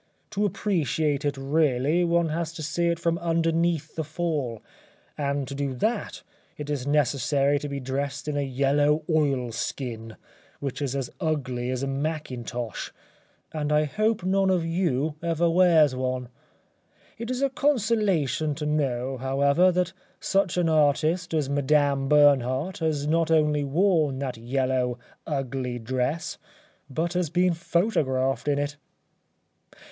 To appreciate it really one has to see it from underneath the fall, and to do that it is necessary to be dressed in a yellow oil skin, which is as ugly as a mackintosh and I hope none of you ever wears one. It is a consolation to know, however, that such an artist as Madame Bernhardt has not only worn that yellow, ugly dress, but has been photographed in it.